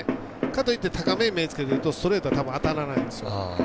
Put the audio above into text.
かといって高めに目をつけてるとストレートは当たらないんですよ。